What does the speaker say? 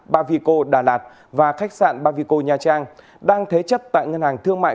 ba vì cô đà lạt và khách sạn ba vì cô nha trang đang thế chất tại ngân hàng thương mại